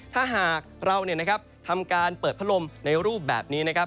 ถ้าหากเราทำการเปิดพัดลมในรูปแบบนี้นะครับ